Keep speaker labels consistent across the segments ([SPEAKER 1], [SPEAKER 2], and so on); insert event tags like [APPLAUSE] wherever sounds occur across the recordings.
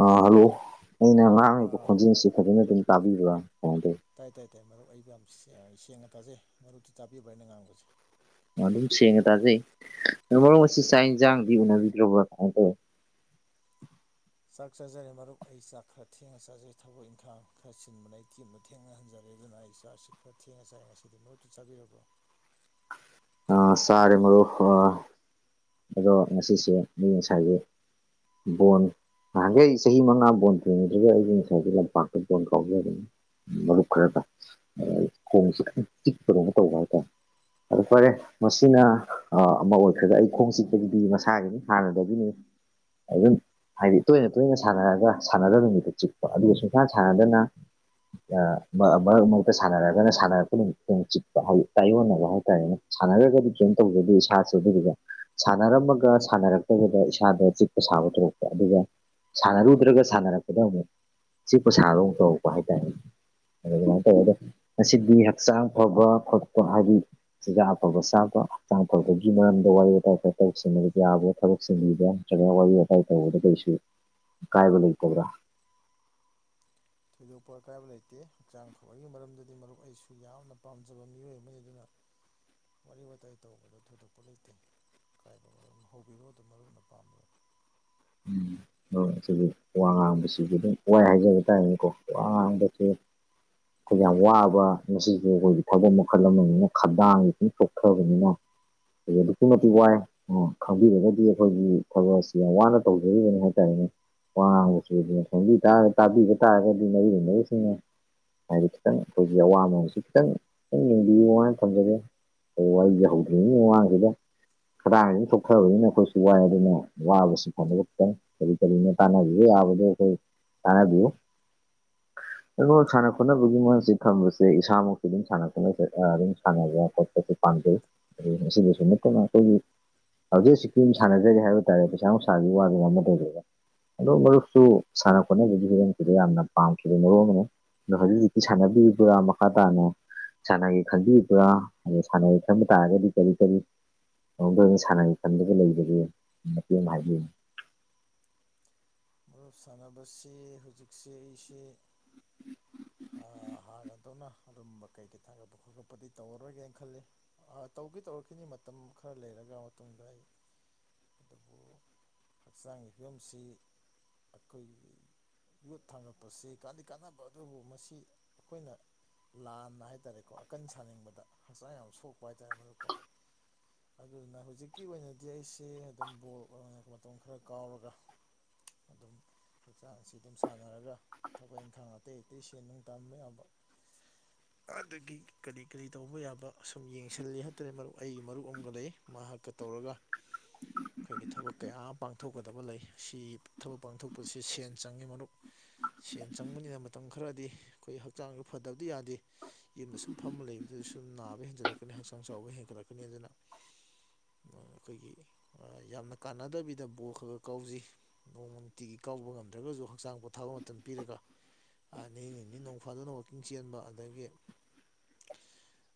[SPEAKER 1] ꯑ ꯍꯜꯂꯣ ꯑꯩꯅ ꯉꯥꯡꯉꯤꯕ
[SPEAKER 2] ꯑꯥ
[SPEAKER 1] ꯈꯣꯟꯖꯦꯜꯁꯤ ꯐꯖꯅ ꯑꯗꯨꯝ ꯇꯥꯕꯤꯕ꯭ꯔꯥ ꯀꯃꯥꯏꯅ ꯇꯧꯋꯤ
[SPEAKER 2] ꯇꯥꯏ ꯇꯥꯏ ꯇꯥꯏ ꯃꯔꯨꯞ ꯑꯩꯕꯨ ꯌꯥꯝ ꯁꯦꯡꯅ ꯇꯥꯖꯩ ꯃꯔꯨꯞꯇꯤ ꯆꯥꯕꯤꯕ꯭ꯔ ꯍꯥꯏꯅ ꯉꯥꯡꯕꯁꯦ
[SPEAKER 1] ꯑꯗꯨꯝ ꯁꯦꯡꯅ ꯇꯥꯖꯩ ꯑ ꯃꯔꯣ ꯑꯁꯤ ꯆꯥꯛ ꯌꯦꯟꯁꯥꯡꯗꯤ ꯎꯅꯕꯤꯗ꯭ꯔꯕ꯭ꯔ
[SPEAKER 2] ꯆꯥꯛ ꯆꯥꯖꯔꯦ ꯃꯔꯨꯞ ꯑꯩ ꯆꯥꯛ ꯈꯔ ꯊꯦꯡꯅ ꯆꯥꯖꯔꯦ ꯊꯕꯛ ꯏꯪꯈꯥꯡ ꯈꯔ ꯁꯤꯟꯕꯅ ꯑꯩ ꯇꯦꯝꯅ ꯊꯦꯡꯅꯍꯟꯖꯔꯦ ꯑꯗꯨꯅ ꯑꯩ ꯏꯆꯥꯁꯤ ꯈꯔ ꯊꯦꯡꯉ ꯆꯥꯏ ꯉꯁꯤꯗꯤ ꯃꯔꯨꯞꯛꯇꯤ ꯆꯥꯕꯤꯔꯕ꯭ꯔꯣ
[SPEAKER 1] ꯑ ꯁꯥꯒ ꯃꯣ ꯑ ꯑꯗꯣ ꯉꯁꯤꯁꯦ ꯃꯤ ꯉꯁꯥꯏꯒꯤ ꯕꯣꯟ ꯅꯍꯥꯟꯒꯩ ꯑꯩ ꯆꯍꯤ ꯃꯉꯥ ꯕꯣꯟ ꯇꯦꯡꯉ꯭ꯔꯒ ꯑꯩꯒꯤ ꯉꯁꯥꯏꯒꯤ ꯂꯝꯄꯥꯛꯇ ꯕꯣꯟ ꯀꯥꯎꯖꯕꯅꯤ ꯎ ꯃꯔꯨꯞ ꯈꯔꯒ ꯈꯣꯡꯁꯤꯤꯛꯄꯗꯧ ꯇꯧꯕ ꯍꯥꯏꯇꯥꯔꯦ ꯑꯗꯨ ꯐꯔꯦ ꯃꯁꯤꯅ ꯑꯃ ꯑꯣꯏꯈ꯭ꯔꯒ ꯑꯩ ꯈꯣꯡꯆꯤꯄꯒꯤꯗꯤ ꯃꯁꯥꯒꯤꯅꯤ ꯍꯥꯟꯅꯗꯒꯤꯅꯤ ꯑꯗꯨꯝ ꯍꯥꯏꯗꯤ ꯇꯣꯏꯅ ꯇꯣꯏꯅ ꯁꯥꯟꯅꯔꯒ ꯁꯥꯟꯅꯗꯕ ꯅꯨꯃꯤꯠꯇ ꯆꯤꯛꯄ ꯑꯗꯨꯒ ꯁꯨꯡꯀꯥꯟ ꯁꯥꯟꯅꯗꯅ ꯃꯔꯛ ꯃꯔꯛꯇ ꯁꯥꯟꯅꯔꯒꯅ ꯁꯥꯟꯅꯔꯛꯄꯗꯤꯃꯛꯇꯣꯡ ꯆꯤꯛꯄ ꯇꯥꯏꯌꯣꯟꯅꯕ ꯍꯥꯏꯇꯥꯔꯦꯅꯦ ꯁꯥꯟꯅꯔꯒꯗꯤ ꯖꯣꯏꯅ ꯇꯧꯖꯗꯦ ꯏꯁꯥꯁꯨ ꯑꯗꯨꯗꯨꯒ ꯁꯥꯟꯅꯔꯝꯃꯒ ꯁꯥꯟꯅꯔꯛꯇꯕꯗ ꯏꯁꯥꯗ ꯆꯤꯛꯄ ꯁꯥꯕ ꯊꯣꯛꯄ ꯑꯗꯨꯒ ꯁꯥꯟꯅꯔꯨꯗ꯭ꯔꯒ ꯁꯥꯟꯅꯔꯛꯄꯗ ꯑꯃꯨꯛ ꯆꯤꯛꯄ ꯁꯥꯟꯗꯧꯨ ꯇꯧꯔꯛꯄ ꯍꯥꯏꯇꯥꯔꯦ ꯑꯗꯨꯃꯥꯏꯅ ꯇꯧꯋꯦꯗ ꯉꯁꯤꯗꯤ ꯍꯛꯆꯥꯡ ꯐꯕ ꯈꯣꯠꯄ ꯍꯥꯏꯗꯤ ꯆꯤꯖꯥꯛ ꯑꯐꯕ ꯆꯥ ꯆꯖꯤꯝꯗ ꯋꯥꯔꯤ ꯇ ꯇꯧꯕ ꯌꯥꯌꯥꯕ꯭ꯔ ꯊꯕꯛ ꯆꯟꯕꯤꯕ ꯅꯠꯇ꯭ꯔꯒ ꯋꯥꯔꯤ ꯋꯥꯇꯥꯏ ꯇꯧꯕꯗ ꯀꯩꯁꯨ ꯀꯥꯏꯒꯣ ꯇꯕ꯭ꯔꯥ
[SPEAKER 2] ꯊꯣꯏꯗꯣꯛꯄ ꯑꯀꯥꯏꯕ ꯂꯩꯇꯦ ꯍꯛꯆꯥꯡ ꯐꯕꯒꯤ ꯃꯔꯝꯗꯗꯤ ꯃꯔꯨꯞ ꯑꯩꯁꯨ ꯌꯥꯝꯅ ꯄꯥꯝꯖꯕ ꯃꯤꯑꯣꯏ ꯑꯃꯅꯤ ꯑꯗꯨꯅ ꯋꯥꯔꯤ ꯋꯥꯋꯇꯥꯏ ꯇꯧꯕꯗ ꯊꯣꯏꯗꯣꯛꯄ ꯂꯩꯇꯦ ꯀꯥꯏꯕ ꯍꯧꯕꯤꯔꯛꯣ ꯑꯗꯨꯣ ꯃꯔꯨꯞꯅ ꯄꯥꯝꯝꯕꯣ
[SPEAKER 1] ꯎꯝ ꯁꯤꯒꯤ ꯋꯥ ꯉꯥꯡꯕꯁꯤꯗꯤ ꯑꯗꯨꯝ ꯋꯥꯏ ꯍꯥꯏꯖꯕ ꯇꯥꯔꯦꯅꯦꯀꯣ ꯋꯥ ꯉꯥꯡꯕꯁꯦ [INAUDIBLE] ꯑꯩꯈꯣꯏ ꯌꯥꯝ ꯋꯥꯕ ꯉꯁꯤꯁꯨ ꯑꯩꯈꯣꯏꯒꯤ ꯊꯕꯛ ꯃꯈꯜ ꯑꯃꯅꯤꯅ ꯈꯗꯥꯡꯒꯤ ꯑꯗꯨ ꯄꯣꯛꯊꯕꯅꯤꯅ ꯑꯗꯨꯛꯀꯤ ꯃꯇꯤꯛ ꯋꯥꯏ ꯑꯣ ꯈꯪꯕꯤꯔꯒꯗꯤ ꯑꯩꯈꯣꯏꯒꯤ ꯊꯕꯛ ꯑꯁꯤ ꯌꯥꯝ ꯋꯥꯅ ꯇꯧꯗꯅꯦ ꯍꯥꯏ ꯇꯥꯏꯅꯦ ꯄꯁ ꯊ ꯇ ꯇꯥꯕꯤ ꯇꯥ ꯀ ꯃ ꯁꯤꯅꯦ ꯍꯥꯏꯗꯤ ꯈꯤꯇꯪ ꯑꯩꯈꯣꯏꯁ ꯑꯋꯥꯕꯅꯨꯡꯕꯁꯤ ꯈꯤꯇꯪ ꯈꯤꯪ ꯌꯦꯡꯕꯤꯌꯨꯅ ꯊꯝꯖꯒꯦ ꯑꯣ ꯑꯩꯁ ꯍꯧꯗ꯭ꯔꯤꯅꯦ ꯋꯥꯡꯁꯤꯗ ꯀꯗꯥꯏ ꯍꯥꯏꯗꯅ ꯊꯣꯛꯊꯕꯅꯤꯅ ꯑꯩꯈꯣꯏꯁꯨ ꯋꯥꯏ ꯑꯗꯨꯅ ꯋꯥꯕꯁꯤ ꯛꯇꯪ ꯀꯔꯤ ꯀꯔꯤꯅ ꯇꯥꯟꯅꯕꯤꯌ ꯌꯥꯕꯗ ꯑꯩꯈꯣꯏ ꯇꯥꯟꯅꯕꯤꯌꯨ ꯑꯣ ꯁꯥꯟꯅ ꯈꯣꯠꯅꯕꯒꯤ ꯃꯁꯤ ꯊꯝꯕꯁꯦ ꯏꯁꯥꯃꯛꯁꯨ ꯑꯗꯨꯝ ꯁꯥꯟꯅ ꯈꯣꯠꯅꯕ ꯑꯗꯨꯝ ꯁꯥꯟꯅꯕ ꯈꯣꯠꯄꯁ ꯄꯥꯝꯖꯩ ꯃꯁꯤꯗꯁꯨ ꯅꯠꯇꯅ ꯑꯩꯈꯣꯏꯒꯤ ꯍꯧꯖꯤꯛ ꯍꯧꯖꯤꯛꯀꯤꯝ ꯁꯥꯟꯅꯖꯔꯤ ꯍꯥꯏꯕ ꯇꯥꯔꯦ ꯄꯩꯁꯥ ꯆ ꯋꯥ ꯃ ꯑ ꯃꯔꯨꯞꯁꯨ ꯁꯥꯟꯅ ꯈꯣꯠꯅꯕꯁꯨ ꯍꯤꯕꯝꯁꯤꯗ ꯌꯥꯝꯅ ꯄꯥꯝꯈꯤꯕꯗ ꯃꯔꯨꯞ ꯑꯃꯅꯦ ꯅꯣꯏ ꯑꯗꯨ ꯍꯧꯖꯤꯛꯇ ꯁꯥꯟꯅꯕꯤꯔꯤꯕ꯭ꯔꯥ ꯃꯈꯥ ꯇꯥꯅ ꯁꯥꯟꯅꯒꯒꯤ ꯈꯟꯕꯤꯔꯤꯕ꯭ꯔꯥ ꯑ ꯁꯥꯟꯅꯒꯦ ꯈꯟꯕ ꯇꯥꯔꯒꯗꯤ ꯀꯔꯤ ꯀꯔꯤ ꯃꯗ ꯑꯣꯏꯅ ꯁꯥꯟꯅꯒꯤ ꯃꯇꯝꯗꯨꯗ ꯂꯩꯕꯒꯦ ꯃꯇꯦꯡ ꯑꯃ ꯍꯥꯏꯕꯤꯌꯨꯨ
[SPEAKER 2] ꯃꯔꯨꯞ ꯁꯥꯟꯅꯕꯁꯤ ꯍꯧꯖꯤꯛꯁꯤꯦ ꯑꯩꯁꯤꯦ ꯀꯗꯧꯅ ꯑꯗꯨꯝꯕ ꯀꯩꯀꯩ ꯊꯥꯒꯠꯄ ꯈꯣꯠꯀꯠꯄꯗꯤ ꯇꯧꯔꯔꯣꯏꯒꯦꯅ ꯈꯜꯂꯤ ꯇꯧꯒꯦ ꯇꯧꯔꯛꯈꯤꯅꯤ ꯃꯇꯝ ꯈꯔ ꯂꯩꯔ ꯃꯇꯨꯡꯗ ꯑꯩ ꯑꯗꯨꯕꯨ ꯍꯛꯆꯥꯡꯒꯤ ꯐꯤꯕꯝꯁꯤ ꯑꯩꯈꯣꯏꯒꯤ ꯌꯣꯠ ꯊꯥꯡꯉꯛꯄꯁꯤ ꯀꯥꯟ ꯀꯥꯟꯅꯕ ꯑꯗꯨ ꯑꯁꯤ ꯑꯩꯈꯣꯏꯅ ꯂꯥꯟꯅ ꯍꯥꯏ ꯇꯔꯦꯀꯣ ꯑꯀꯟ ꯁꯥꯅꯤꯡꯕꯗ ꯍꯛꯆꯥꯡ ꯌꯥꯝ ꯁꯣꯛꯄ ꯍꯥꯏꯇꯥꯔꯦ ꯃꯔꯨꯀꯣ ꯑꯗꯨꯗꯨꯅ ꯍꯧꯖꯤꯛꯀꯤ ꯑꯣꯏꯅꯗꯤ ꯑꯩꯁꯦ ꯑꯗꯨꯝ ꯕꯣꯜ ꯑꯣꯏꯅ ꯃꯇꯝ ꯈꯔ ꯀꯥꯎꯔꯒ ꯑꯗꯨꯝ ꯍꯛꯆꯥꯡꯁꯤ ꯑꯗꯨꯝ ꯁꯥꯟꯅꯔꯒ ꯊꯕꯛ ꯏꯪꯈꯥꯡ ꯑꯇꯩ ꯑꯇꯩꯁꯤꯡ ꯆꯦ ꯅꯨꯡ ꯇꯥꯝꯕ ꯌꯥꯕ ꯑꯗꯒꯤ ꯀꯔꯤ ꯀꯔꯤ ꯇꯧꯕ ꯌꯥꯕ ꯁꯨꯝ ꯌꯦꯡꯁꯤꯜꯂꯤ ꯍꯥꯏꯇꯥ꯭ꯔꯦ ꯃꯔꯨꯞ ꯑꯩꯒꯤ ꯃꯔꯨꯞ ꯑꯃꯒ ꯂꯩ ꯃꯍꯥꯛꯀ ꯇꯧꯔꯒ ꯑꯩꯈꯣꯏꯒꯤ ꯊꯕꯛ ꯀꯌꯥ ꯑꯃ ꯄꯥꯡꯊꯣꯛꯀꯗꯕ ꯂꯩ ꯁꯤ ꯊꯕꯛ ꯄꯥꯡꯊꯣꯛꯄꯁꯤ ꯁꯦꯟ ꯆꯪꯉꯤ ꯃꯔꯨꯞ ꯁꯦꯟ ꯆꯪꯕꯅꯤꯅ ꯃꯇꯝ ꯈꯔ ꯈꯔꯗꯤ ꯑꯩꯈꯣꯏ ꯍꯛꯆꯥꯡꯗ ꯐꯗꯕꯗꯤ ꯌꯥꯗꯦ ꯌꯨꯝꯗ ꯁꯨꯝ ꯐꯝꯃ ꯂꯩꯕꯗꯨꯗ ꯁꯨꯝ ꯅꯥꯕ ꯍꯦꯟꯖꯜꯂꯛꯀꯅꯤ ꯍꯛꯆꯥꯡ ꯥꯡ ꯆꯥꯎꯕ ꯍꯦꯟꯒꯠꯂꯛꯀꯅꯤ ꯑꯗꯨꯅ ꯑꯩꯈꯣꯏꯒꯤ ꯌꯥꯝꯅ ꯀꯥꯟꯅꯗꯕꯤꯗ ꯕꯣꯔꯜ ꯈꯔ ꯈꯔ ꯀꯥꯎꯖꯩ ꯅꯣꯡ ꯅꯨꯡꯇꯤꯒꯤ ꯀꯥꯎ ꯌꯥꯎꯕ ꯉꯝꯗ꯭ꯔꯒꯁꯨ ꯍꯛꯆꯥꯡ ꯄꯣꯊꯥꯕ ꯃꯇꯝ ꯄꯤꯔꯒ
[SPEAKER 1] [INAUDIBLE]
[SPEAKER 2] ꯅꯤ ꯅꯤꯅꯤ ꯅꯣꯡ ꯐꯥꯗꯨꯅ ꯋꯥꯛꯀꯤꯡ ꯆꯦꯟꯕ ꯑꯗꯒꯤ
[SPEAKER 1] [INAUDIBLE]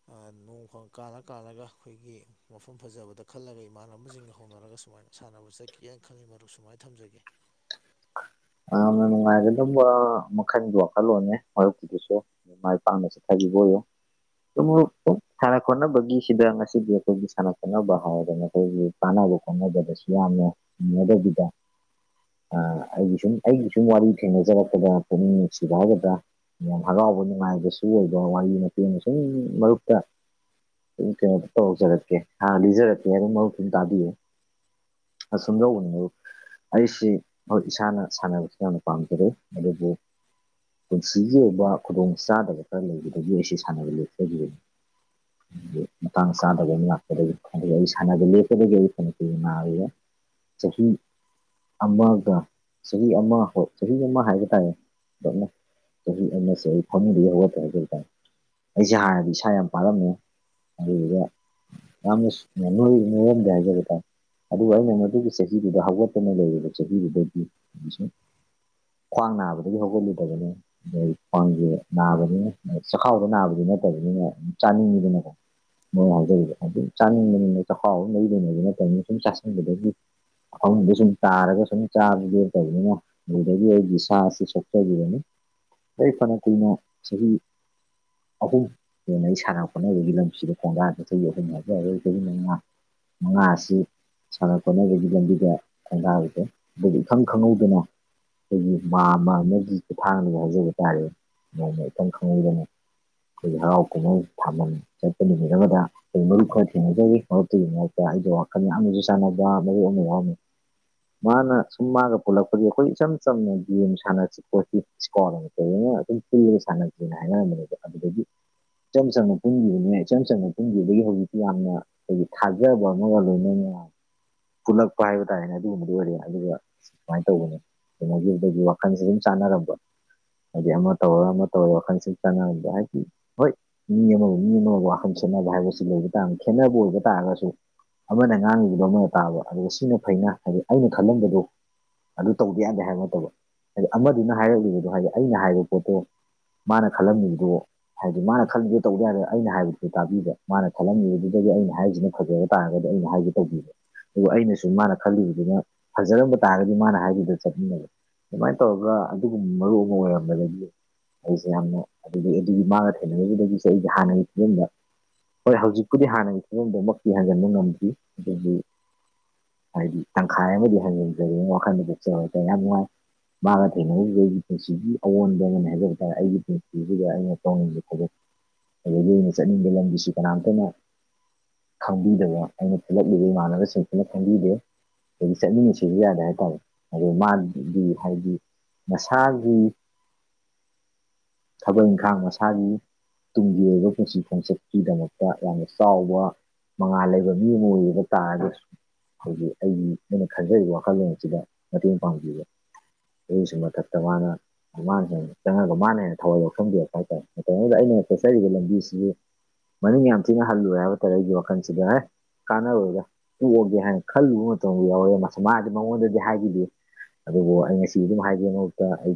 [SPEAKER 2] ꯅꯣꯡ ꯀꯥꯜꯂ ꯀꯥꯜꯂꯒ ꯑꯩꯈꯣꯏꯒꯤ ꯃꯐꯝ ꯐꯖꯕꯗ ꯈꯜꯂꯒ ꯏꯃꯥꯟꯅꯕꯁꯤꯡꯒ ꯍꯧꯅꯔꯒ ꯁꯨꯃꯥꯏ ꯀꯃꯥꯏꯅ ꯁꯥꯟꯅꯕ ꯆꯠꯀꯦꯅ ꯈꯪꯉꯤ ꯃꯔꯨ ꯁꯨꯃꯥꯏꯅ ꯊꯝꯖꯒꯦ
[SPEAKER 1] [INAUDIBLE] ꯌꯥꯝꯅ ꯅꯨꯡꯉꯥꯏꯒ ꯑꯗꯨꯕ ꯃꯈꯜꯒꯤ ꯋꯥꯈꯜꯂꯣꯟꯅꯦ ꯃꯔꯌꯨꯞꯀꯤꯨꯗꯨꯁꯨ ꯃꯥꯏ ꯄꯥꯛꯅ ꯆꯠꯊꯕꯤ ꯍꯣ ꯁꯥꯟꯅ ꯈꯣꯠꯅꯕꯒꯤꯁꯤꯗ ꯉꯁꯤꯗꯤ ꯑꯩꯈꯣꯏꯒꯤ ꯁꯥꯟꯅ ꯈꯣꯠꯅꯕ ꯍꯥꯏꯗꯅ ꯑꯩꯈꯣꯏꯒꯤ ꯀꯗ ꯁꯤ ꯃꯗꯗ ꯑꯩꯒꯤ ꯁꯨꯝ ꯑꯩꯒꯤ ꯁꯨꯝ ꯋꯥꯔꯤ ꯊꯦꯡꯅꯖꯔꯛꯄꯗ ꯄꯨꯛꯅꯤꯡ ꯅꯨꯡꯁꯤ ꯐꯥꯎꯕꯗ ꯌꯥꯝ ꯍꯔꯥꯎꯕ ꯅꯨꯡꯉꯥꯏꯕꯁꯨ ꯑꯣꯏꯕꯣ ꯋꯥꯔꯤ ꯃꯦꯡꯅ ꯁꯨꯝ ꯃꯔꯛꯇ ꯀꯩꯅ ꯍꯧꯖꯔꯛꯀꯦ ꯂꯤꯖꯔꯛꯀꯦ ꯑꯗꯨ ꯃꯍ ꯁꯨꯝ ꯇꯥꯕꯤꯌꯦ ꯑ ꯁꯨꯝꯖꯎꯅ ꯑꯁꯤ ꯍꯣꯏ ꯏꯁꯥꯅ ꯁꯥꯟꯅꯕꯁꯤ ꯌꯥꯝꯅ ꯄꯥꯝꯖꯔꯦ ꯑꯗꯨꯕꯨ ꯄꯨꯟꯁꯤꯒꯤ ꯑꯣꯏꯕ ꯈꯨꯗꯣꯡ ꯆꯥꯗꯕ ꯈꯔ ꯂꯩꯕꯗꯒꯤ ꯑꯩ ꯁꯥꯟꯅꯕ ꯂꯦꯞꯆꯈꯤꯕꯅꯤ ꯥꯡ ꯆꯗ ꯂꯥꯛꯄ ꯁꯗ ꯆꯍꯤꯍꯤ ꯑꯝꯕ ꯑꯗꯨꯒ ꯆꯍꯤ ꯑꯃ ꯍ ꯆꯍꯤ ꯑꯃ ꯍꯥꯏꯕ ꯇꯥꯔꯦ ꯑꯅ ꯑꯩꯅꯁꯨ ꯑꯩ ꯐꯃꯤꯗ ꯍꯧꯔꯛꯇ꯭ꯔꯦ ꯑꯗꯨ ꯑꯣꯏꯇꯥ ꯑꯩꯁꯦ ꯍꯥꯟꯅꯗꯤ ꯏꯁꯥ ꯌꯥꯝ ꯄꯥꯂꯝꯝꯃꯦ ꯑꯗꯨꯒ ꯌꯥꯝꯔꯗꯤ ꯍꯥꯏꯒꯦꯦꯇ ꯑꯗꯨꯒ ꯑꯩꯅ ꯃꯗꯨꯒꯤ ꯆꯍꯤꯗꯨꯗ ꯍꯧꯒꯠꯇꯅ ꯂꯩꯔꯤꯕ ꯆꯍꯤꯗꯨꯗꯒꯤ ꯈ꯭ꯋꯥꯡ ꯅꯥꯕꯗꯒꯤ ꯍꯧꯒꯠꯂꯨꯗꯕꯅꯤ ꯑꯗꯗꯒꯤ ꯈ꯭ꯋꯥꯡꯁꯦ ꯅꯥꯕꯅꯤ ꯑ ꯆꯈꯥꯎꯗ ꯅꯥꯕꯗꯒꯤ ꯅꯠꯇꯕꯅꯤꯅ ꯆꯥꯅꯤꯡꯉꯤꯗꯅꯀꯣ ꯃꯣꯏ ꯍꯥꯏꯖꯔꯤꯗ ꯑꯗꯨꯝ ꯆꯥꯅꯤꯡꯕꯅꯤꯅ ꯆꯈꯥꯎꯕ ꯂꯩꯗꯣꯏꯅ ꯑꯗꯨ ꯅꯠꯇꯧꯅꯤ ꯁꯨꯝ ꯆꯥꯁꯤꯟꯕꯗꯗꯒꯤ ꯑ ꯁ ꯇꯔꯒ ꯆꯥꯗꯤ ꯇꯧꯕꯅꯤꯅ ꯑꯗꯨꯗꯒꯤ ꯑꯩꯒꯤ ꯁꯥꯁꯤ ꯁꯣꯛꯆꯔꯅꯤ ꯦ ꯐꯅꯦ ꯀꯣ ꯁꯤꯔꯤ ꯑꯍꯨꯝ ꯍꯟꯅ ꯑꯩ ꯁꯥꯟꯅ ꯈꯣꯠꯅꯕꯒꯤ ꯂꯝꯁꯤꯗ ꯈꯣꯡꯗꯥꯗꯊꯣꯏꯈꯣꯏꯅ ꯃꯉꯥ ꯃꯉꯥ ꯑꯁꯤ ꯁꯥꯟꯅ ꯈꯣꯠꯅꯕꯒꯤ ꯂꯝꯕꯤꯗ ꯊꯦꯟꯗꯥꯔꯤꯁꯦ ꯑꯗꯨꯒ ꯏꯈꯪ ꯈꯪꯍꯧꯗꯅ ꯑꯩꯈꯣꯏꯒꯤ ꯃꯥ ꯑꯃ ꯑꯃꯒꯤ ꯈꯨꯊꯥꯡ ꯍꯥꯏꯖꯕ ꯇꯥꯔꯦ ꯃꯣꯏꯅ ꯈꯤꯇꯪ ꯈꯪꯍꯩꯗꯅ ꯑꯩꯈꯣꯏ ꯍꯔꯥꯎ ꯀꯨꯝꯍꯩ ꯊꯥꯐꯝ ꯆꯠꯄ ꯅꯨꯃꯤꯠ ꯑꯃꯗ ꯑꯩꯈꯣꯏ ꯃꯔꯨꯞ ꯈꯔ ꯊꯦꯡꯅꯖꯔꯤ ꯃꯔꯨꯞꯛꯇꯨꯒꯤ ꯃꯔꯛꯇ ꯑꯩꯗꯣ ꯋꯥꯈꯜ ꯌꯥꯝꯅꯁꯨ ꯆꯥꯟꯅꯕ ꯃꯔꯨ ꯑꯃ ꯋꯥꯔꯃꯤ ꯃꯥꯅ ꯁꯨꯝ ꯃꯥꯒ ꯄꯨꯜꯂꯛꯄꯗꯤ ꯑꯩꯈꯣꯏ ꯏꯆꯝ ꯆꯝꯅ ꯒꯦꯝ ꯁꯥꯟꯅꯁꯤ ꯄꯣꯠꯁꯤ ꯏꯁꯀꯣ ꯑꯃ ꯇꯅ ꯅ ꯁꯥꯟꯅꯗ꯭ꯔꯤꯅ ꯑꯉꯥꯡꯕꯅꯦꯗ ꯑꯗꯨꯗꯒꯤ ꯏꯆꯝ ꯆꯝꯅ ꯄꯨꯟꯈꯤꯕꯅꯦ ꯏꯆꯝ ꯆꯝꯅ ꯄꯨꯟꯕꯤꯕꯗꯒꯤ ꯍꯧꯖꯤꯛꯇꯤ ꯌꯥꯝꯅ ꯍꯥꯏꯗꯤ ꯊꯥꯖꯕ ꯑꯃꯒ ꯂꯣꯏꯅꯅ ꯄꯨꯜꯂꯛꯄ ꯍꯥꯏꯕ ꯇꯥꯔꯦꯅꯦ ꯑꯗꯨꯗꯤ ꯋꯥꯔꯤ ꯑꯗꯨꯒ ꯁꯨꯃꯥꯏꯅ ꯇꯧꯕꯅꯦ ꯀꯩꯅꯣꯒꯤ ꯑꯗꯒꯤ ꯋꯥꯈꯜꯁꯦ ꯑꯗꯨꯝ ꯆꯥꯟꯅꯔꯝꯕ ꯍꯥꯏꯗꯤ ꯑꯃ ꯇꯧꯔꯒ ꯑꯃ ꯇꯧꯔꯒ ꯋꯥꯈꯜꯁꯤ ꯆꯪꯅꯝꯗ ꯍꯥꯏꯗꯤ ꯍꯣꯏ ꯃꯤ ꯑꯃꯕꯨ ꯃꯤ ꯑꯃꯕꯨ ꯋꯥꯈꯜ ꯈꯦꯠꯅꯕ ꯍꯥꯏꯕꯁꯤ ꯂꯩꯕ ꯇꯥꯔ ꯈꯦꯠꯅꯕ ꯑꯣꯏꯕ ꯇꯥꯔꯒꯁꯨ ꯑꯃꯅ ꯑꯉꯥꯡꯉꯗꯨꯗꯣ ꯑꯃꯗ ꯇꯥꯕ ꯑꯗꯨꯒ ꯁꯤꯅ ꯐꯩꯅ ꯍꯥꯏꯗꯤ ꯑꯩꯅ ꯈꯜꯂꯝꯕꯗꯨ ꯑꯗꯨ ꯇꯧꯗ ꯌꯥꯗꯦ ꯍꯥꯏꯕ ꯅꯠꯇꯕ ꯍꯥꯏꯗꯤ ꯑꯃꯗꯨꯅ ꯍꯥꯏꯔꯛꯂꯤꯕꯗꯣ ꯍꯥꯏꯗꯤ ꯑꯩꯅ ꯍꯥꯏꯔꯤꯕ ꯄꯣꯠꯇꯣ ꯃꯥꯅ ꯈꯜꯂꯝꯃꯤꯕꯗꯣ ꯍꯥꯏꯗꯤ ꯃꯥꯅ ꯈꯜꯂꯝꯗꯣ ꯇꯧꯗ ꯌꯥꯔ ꯑꯩꯅ ꯍꯥꯏꯕꯗꯨꯗ ꯇꯥꯕꯤꯗ꯭ꯔ ꯃꯥꯅ ꯈꯜꯂꯝꯃꯤꯕꯗꯨꯗ ꯑ ꯑꯩꯅ ꯍꯥꯏꯁꯤꯅ ꯐꯖꯕ ꯇꯥꯔꯒꯗꯤ ꯑꯩꯅ ꯍꯥꯏꯒꯦ ꯇꯧꯕꯤꯕ ꯑꯗꯨꯒ ꯑꯩꯅꯁꯨ ꯃꯥꯅ ꯈꯜꯂꯤꯕꯗꯨꯅ ꯐꯖꯔꯝꯕ ꯇꯥꯔꯒꯗꯤ ꯃꯥꯅ ꯍꯥꯏꯕꯤꯗꯨ ꯆꯠꯃꯤꯟꯅꯕ ꯑꯗꯨꯃꯥꯏꯅ ꯇꯧꯔꯒ ꯑꯗꯨꯒꯨꯝꯕ ꯃꯔꯨ ꯑꯃ ꯑꯣꯏꯔꯝꯝꯕꯗꯒꯤ ꯑꯩꯁꯦ ꯌꯥꯝꯅ ꯑꯗꯨꯗꯒꯤ ꯑꯗꯨꯒꯤ ꯃꯥꯒ ꯊꯦꯡꯅꯈꯤꯕꯗꯒꯤꯁꯦ ꯑꯩꯁ ꯍꯥꯟꯅꯒꯤ ꯐꯤꯕꯝꯗ ꯍꯣꯏ ꯍꯧꯖꯤꯛꯄꯨꯗꯤ ꯍꯥꯟꯅꯒꯤ ꯐꯤꯕꯝꯗꯨꯃꯀꯤꯤꯍꯟꯖꯤꯟꯕ ꯉꯝꯗ꯭ ꯑꯗꯨꯗꯒꯤ ꯍꯥꯏꯗꯤ ꯇꯪꯈꯥꯏ ꯑꯃꯗꯤ ꯍꯟꯖꯤꯟꯖꯔꯤ ꯋꯥꯈꯜꯗꯨꯗ ꯆꯦ ꯀ ꯌꯥꯝ ꯅꯨꯡꯉꯥꯏ ꯃꯥꯅ ꯊꯦꯡꯅꯔꯤꯁꯤꯗ ꯑꯩꯒꯤ ꯄꯨꯟꯁꯤꯒꯤ ꯑꯑꯣꯟꯕ ꯑꯃꯅꯦ ꯍꯥꯏꯖꯕ ꯇꯥꯔꯦ ꯑꯩꯒꯤ ꯄꯨꯟꯁꯤꯁꯤꯗ ꯑꯩꯅ ꯇꯧꯅꯤꯡꯁꯦ ꯈꯛ ꯑꯗꯩ ꯂꯣꯏꯅ ꯆꯠꯅꯤꯡꯕ ꯂꯝꯒꯤꯁꯤ ꯀꯅꯥꯝꯇꯅ ꯈꯪꯕꯤꯕꯅꯦ ꯑꯩꯅ ꯄꯨꯂꯛꯂꯤꯕ ꯏꯃꯥꯟꯅꯕꯁꯤꯡ ꯄꯨꯂ ꯈꯪꯕꯤꯗꯦ ꯑꯗꯒꯤ ꯆꯠꯃꯤꯟꯅꯁꯤꯁꯨ ꯌꯥꯗꯦ ꯍꯥꯏꯇꯥꯔꯦ ꯑꯗ ꯃꯥꯗꯤ ꯍꯥꯏꯗꯤ ꯃꯁꯥꯒꯤ ꯊꯕꯛ ꯏꯪꯈꯥꯡ ꯃꯁꯥꯒꯤ ꯇꯨꯡꯒꯤ ꯑꯣꯏꯕ ꯄꯨꯟꯁꯤ ꯈꯣꯡꯆꯠꯀꯤꯗꯃꯛꯇ ꯌꯥꯝꯅ ꯆꯥꯎꯕ ꯃꯉꯥꯜ ꯂꯩꯕ ꯃꯤ ꯑꯃ ꯑꯣꯏꯕ ꯇꯥꯔꯒꯁꯨ ꯑꯩꯈꯣꯏꯒꯤ ꯑꯩꯒꯤ ꯑꯩꯅ ꯈꯟꯖꯔꯤꯕ ꯋꯥꯈꯜꯂꯣꯟ ꯑꯁꯤꯗ ꯃꯇꯦꯡ ꯄꯥꯡꯕꯤꯕ ꯑꯗꯨꯒꯤꯁꯨ ꯃꯊꯛꯇ ꯃꯥꯅ ꯃꯥꯅꯦ ꯆꯪꯉꯒ ꯃꯥꯅ ꯍꯦꯟꯅ ꯊꯋꯥꯏ ꯌꯥꯎꯁꯟꯕꯤꯔꯛꯄ ꯍꯥꯏꯇꯥꯔꯦ ꯃꯇꯝꯗꯨꯗ ꯑꯩꯅ ꯆꯠꯆꯔꯤꯕ ꯂꯝꯕꯤꯁꯤꯗꯤ ꯃꯅꯤꯡ ꯌꯥꯝ ꯊꯤꯅ ꯍꯜꯂꯨꯔꯦ ꯍꯥꯏꯕ ꯇꯥꯔꯦ ꯑꯩꯒꯤ ꯋꯥꯈꯜꯁꯤꯗ ꯑꯦ ꯀꯥꯟꯅꯔꯣꯏꯒ ꯄꯣꯛꯑꯒꯦ ꯍꯥꯏꯅ ꯈꯜꯂꯨꯕ ꯃꯇꯝꯗ ꯌꯥꯎꯔꯑꯦ ꯃꯥꯁ ꯃꯥꯗꯤ ꯃꯉꯣꯟꯗꯗꯤ ꯍꯥꯏꯈꯤꯗꯦ ꯑꯗꯨꯕꯨ ꯑꯩ ꯉꯁꯤ ꯑꯗꯨꯝ ꯍꯥꯏꯕꯤ ꯃꯍꯨꯠꯇ ꯑꯩ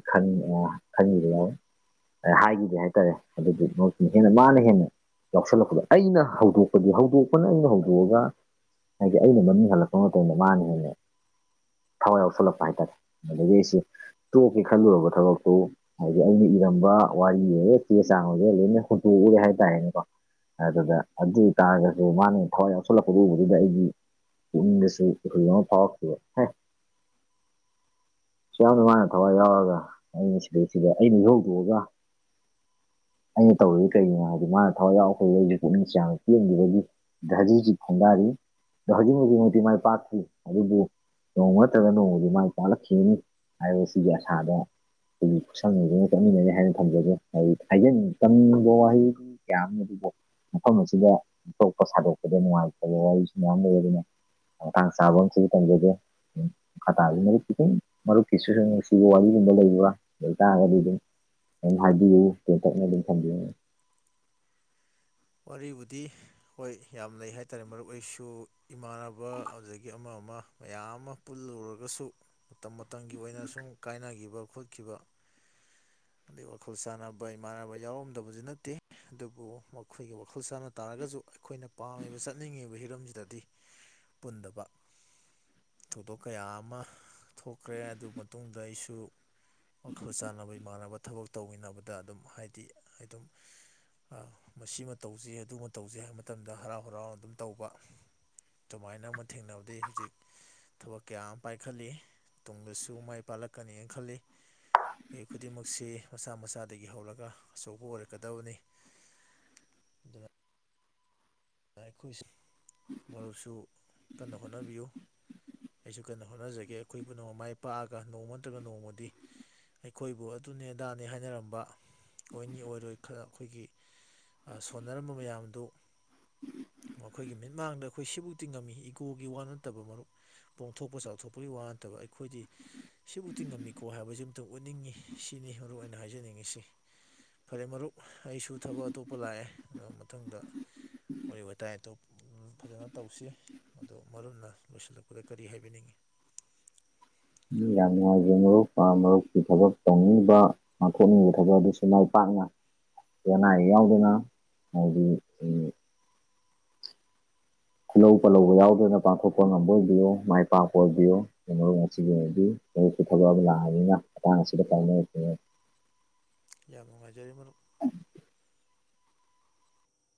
[SPEAKER 1] ꯈꯟꯕꯤꯕ ꯌꯥꯎꯋꯦ ꯍꯥꯏꯈꯤꯗꯦ ꯍꯥꯏꯇꯥꯔꯦ ꯑꯗꯨꯗꯤ ꯃꯔ ꯍꯦꯟꯅ ꯃꯥꯅ ꯍꯦꯟꯅ ꯌꯥꯎꯁꯜꯂꯛꯄꯗꯣ ꯑꯩꯅ ꯍꯧꯗꯣꯛꯄꯗꯤ ꯍꯧꯗꯣꯛꯄꯅ ꯑꯩꯅ ꯍꯧꯗꯣꯛꯑꯒ ꯍꯥꯏꯗꯤ ꯑꯩꯅ ꯃꯃꯤꯡ ꯍꯜꯂꯛꯄ ꯇꯗ ꯃꯥꯅ ꯍꯦꯟꯅ ꯊꯋꯥꯏ ꯌꯥꯎꯁꯂꯛꯄ ꯍꯥꯏꯇꯥꯔꯦ ꯑꯗꯨꯗꯒꯤ ꯑꯩꯁꯤ ꯇꯣꯛꯀꯦ ꯈꯜꯂꯨꯔꯕ ꯊꯕꯛꯇꯨ ꯍꯥꯏꯗꯤ ꯑꯩꯅ ꯏꯔꯝꯕ ꯋꯥꯔꯤꯔꯦ ꯆꯦ ꯆꯥꯡ ꯑꯣꯏꯔꯦ ꯂꯣꯏꯅ ꯍꯨꯇꯣꯛꯑ ꯀ ꯌꯥ ꯍꯥꯏꯗ ꯍꯥꯏꯅꯀ ꯑꯗꯨꯗ ꯑꯗꯨ ꯑꯣꯏ ꯇꯥꯔꯒꯁꯨ ꯃꯥꯅ ꯊꯋꯥꯏ ꯌꯥꯎꯁꯜꯂꯛꯄ ꯎꯕꯗꯨꯗ ꯑꯩꯒꯤ ꯄꯨꯛꯅꯤꯡꯗ ꯄꯥꯎꯒ ꯁꯤ ꯌꯥꯝ ꯅꯨꯡꯉꯥꯏꯅ ꯊꯋꯥꯏ ꯌꯥꯎꯔꯒ ꯑꯩꯅ ꯁꯤꯗꯩ ꯁꯤꯗ ꯑꯩꯅ ꯏꯍꯧꯗꯣꯛꯑꯒ ꯑꯩꯅ ꯇꯧꯔꯤꯁ ꯀꯩꯒꯤꯅꯣ ꯍꯥꯏꯗꯤ ꯃꯥꯅ ꯊꯋꯥꯏ ꯌꯥꯎ ꯑꯩꯈꯣꯏ ꯂꯩꯔꯤꯦꯀ ꯃꯤꯁꯦ ꯌꯥꯝꯅ ꯄꯦꯟꯈꯤꯕꯒꯤ ꯙꯥꯖꯤꯁꯤ ꯈꯨꯣꯡꯗꯥꯔꯤ ꯙꯖꯤꯕꯨꯗꯤꯃꯛꯇꯤ ꯃꯥꯏ ꯄꯥꯛꯈꯤ ꯑꯗꯨꯕꯨ ꯅꯣꯡꯃ ꯅꯠꯇ꯭ꯔꯒ ꯅꯣꯡꯃꯗꯤ ꯃꯥꯏ ꯇꯥꯛꯂꯛꯈꯤꯅꯤ ꯍꯥꯏꯕꯁꯤꯒꯤ ꯑꯁꯥꯗꯣ ꯑꯩ ꯈꯨꯠꯁꯝꯅꯗꯨꯅ ꯆꯠꯃꯤꯟꯅꯅꯤ ꯍꯥꯏꯅ ꯊꯝꯖꯒꯦ ꯍꯥꯏꯗꯤ ꯍꯥꯏꯖꯅꯤꯡ ꯇꯝꯅꯤꯡꯕ ꯋꯥꯍꯩ ꯀꯌꯥ ꯑꯃ ꯑꯗꯨ ꯃꯐꯝ ꯑꯁꯤꯗ ꯇꯣꯛꯄ ꯁꯥꯗꯣꯛꯄꯗ ꯅꯨꯡꯉꯥꯏꯇꯕ ꯋꯥꯔꯤꯁꯨ ꯃꯌꯥꯝ ꯂꯩꯔꯤꯅ ꯑꯥꯡ ꯆꯥꯕ ꯁꯤ ꯇꯖꯗꯦ ꯈ ꯐ ꯂꯩꯒ ꯍꯥꯏꯗꯤꯇ
[SPEAKER 2] ꯋꯥꯔꯤꯕꯨꯗꯤ ꯍꯣꯏ ꯌꯥꯝ ꯂꯩ ꯍꯥꯏ ꯇꯔꯦ ꯃꯔꯨ ꯑꯣꯏꯁꯨ ꯏꯃꯥꯟꯅꯕ ꯑꯗꯒꯤ ꯑꯃ ꯑꯃ ꯃꯌꯥꯝ ꯑꯃ ꯄꯨꯜꯂꯨꯔꯒꯁꯨ ꯃꯇꯝ ꯃꯇꯝꯒꯤ ꯑꯣꯏꯅ ꯁꯨꯝ ꯀꯥꯏꯅꯈꯤꯕ ꯈꯣꯠꯈꯤꯕ
[SPEAKER 1] ꯎ
[SPEAKER 2] ꯑꯗꯩ ꯋꯥꯈꯜ ꯁꯥꯟꯅꯕ ꯏꯃꯥꯟꯅꯕ ꯌꯥꯎꯔꯝꯗꯕꯁꯨ ꯅꯠꯇꯦ ꯑꯗꯨꯕꯨ ꯃꯈꯣꯏꯒꯤ ꯋꯥꯈꯜ ꯁꯥꯟꯅ ꯇꯥꯔꯒꯁꯨ ꯑꯩꯈꯣꯏꯅ ꯄꯥꯝꯃꯤꯕ ꯆꯠꯅꯤꯡꯉꯤꯕ ꯍꯤꯔꯝꯁꯤꯗꯗꯤ ꯄꯨꯟꯗꯕ ꯊꯧꯗꯣꯛ ꯀꯌꯥ ꯑꯃ ꯊꯣꯛꯈ꯭ꯔꯦ ꯑꯗꯨ ꯃꯇꯨꯡꯗ ꯑꯩꯁꯨ ꯋꯥꯈꯜ ꯆꯥꯅꯕ ꯏꯃꯥꯟꯅꯕ ꯊꯕꯛ ꯇꯧꯃꯤꯟꯅꯕꯗ ꯑꯗꯨꯝ ꯍꯥꯏꯗꯤ ꯑꯗꯨꯝ ꯃꯁꯤꯃ ꯇꯧꯁꯤꯩ ꯑꯗꯨꯃ ꯇꯧꯁꯤꯦ ꯍꯥꯏꯕ ꯃꯇꯝꯗ ꯍꯔꯥꯎ ꯍꯔꯥꯎꯅ ꯑꯗꯨꯝ ꯇꯧꯕ ꯑꯗꯨꯨꯃꯥꯏꯅ ꯑꯃ ꯊꯦꯡꯅꯕꯗꯒꯤ ꯍꯧꯖꯤꯛ ꯊꯕꯛ ꯀꯌꯥ ꯑꯃ ꯄꯥꯏꯈꯠꯂꯤ ꯇꯨꯡꯗꯁꯨ ꯃꯥꯏ ꯄꯥꯛꯂꯛꯀꯅꯤꯅ ꯈꯜꯂꯤ ꯑꯩ ꯈꯨꯗꯤꯡꯃꯛ ꯑꯁꯤ ꯃꯁꯥ ꯃꯁꯥꯗꯒꯤ ꯍꯧꯔꯒ ꯑꯆꯧꯕ ꯑꯣꯏꯔꯛꯀꯗꯕꯅꯤ ꯑꯗꯨꯅ ꯑꯩꯈꯣꯏ ꯃꯔꯨꯞꯁꯨ ꯀꯟꯅ ꯍꯣꯠꯅꯕꯤꯌꯨ ꯑꯩꯁꯨ ꯀꯟꯅ ꯍꯣꯠꯅꯖꯒꯦ ꯑꯩꯈꯣꯏ ꯄꯨꯝꯅꯃꯛꯃ ꯃꯥꯏ ꯄꯥꯛꯑꯒ ꯅꯣꯡꯃ ꯅꯠꯇ꯭ꯔꯒ ꯅꯣꯡꯃꯗꯤ ꯑꯩꯈꯣꯏꯕꯨ ꯑꯗꯨꯅꯦ ꯑꯗꯥꯅꯦ ꯍꯥꯏꯅꯔꯝꯕ ꯑꯣꯏꯅꯤ ꯑꯣꯏꯔꯣꯏ ꯈ ꯑꯩꯈꯣꯏꯒꯤ ꯁꯣꯟꯅꯔꯝꯕ ꯃꯌꯥꯝꯗꯨ
[SPEAKER 1] ꯎꯝ
[SPEAKER 2] ꯃꯈꯣꯏꯒꯤ ꯃꯤꯠꯃꯥꯡꯗ ꯑꯩꯈꯣꯏ ꯁꯤꯕꯨꯛꯇꯤ ꯉꯝꯃꯤ ꯏꯒꯣꯒꯤ ꯋꯥ ꯅꯠꯇꯕ ꯃꯔꯨꯞ ꯄꯣꯝꯊꯣꯛꯄ ꯆꯥꯎꯊꯣꯛꯄꯒꯤ ꯋꯥ ꯅꯠꯇꯕ ꯑꯗꯣ ꯑꯩꯈꯣꯏꯗꯤ ꯁꯤꯕꯨꯗꯤꯤ ꯉꯝꯃꯤꯀꯣ ꯍꯥꯏꯕꯁꯤ ꯑꯝꯇꯪ ꯎꯠꯅꯤꯡꯉꯤ ꯁꯤꯅꯤ ꯃꯔꯨ ꯑꯣꯏꯅ ꯍꯥꯏꯖꯅꯤꯡꯉꯤꯁꯤ ꯐꯔꯦ ꯃꯔꯨꯞ ꯑꯩꯁꯨ ꯊꯕꯛ ꯑꯇꯣꯞꯄ ꯂꯥꯛꯑꯦ ꯑꯗꯨ ꯃꯊꯪꯗ ꯑꯣꯏꯕꯇꯥꯏ ꯇ ꯐꯖꯅ ꯇꯧꯁꯤ ꯑꯗꯣ ꯃꯔꯨꯅ ꯂꯣꯏꯁꯤꯜꯂꯛꯄꯗ ꯀꯔꯤ ꯍꯥꯏꯕꯤꯅꯤꯡꯏꯤ
[SPEAKER 1] [INAUDIBLE] ꯎꯝ ꯌꯥꯝ ꯅꯨꯡꯉꯥꯏꯖꯔꯦ ꯃꯔꯨꯞ ꯃꯔꯨꯞꯀꯤ ꯊꯕꯛ ꯇꯧꯅꯤꯡꯕ ꯉꯥꯡꯊꯣꯛꯅꯤꯡꯕ ꯊꯕꯛ ꯑꯗꯨꯁꯨ ꯃꯥꯏ ꯄꯥꯛ ꯅ ꯌꯥꯎꯗꯅ ꯍꯥꯏꯗꯤ ꯈꯨꯜꯍꯧ ꯄꯜꯂꯧꯕ ꯌꯥꯎꯗꯅ ꯄꯥꯡꯊꯣꯛꯄ ꯉꯝꯕ ꯑꯣꯏꯕꯤꯌꯣ ꯃꯥꯏ ꯄꯥꯛꯄ ꯑꯣꯏꯕꯤꯌꯣ ꯀ ꯃꯔ ꯑꯁꯤꯒꯤ ꯑꯣꯏꯅꯗꯤ ꯍꯧꯔꯤꯛꯁꯨ ꯊꯕꯛ ꯑꯃ ꯂꯥꯛꯑꯅꯤꯅ ꯃꯇꯥꯡ ꯑꯁꯤꯗ ꯇꯥꯏꯅꯔꯛꯈꯤꯅꯤ
[SPEAKER 2] ꯌꯥꯝ ꯅꯨꯡꯉꯥꯏꯖꯔꯤ ꯃꯔ
[SPEAKER 1] ꯎ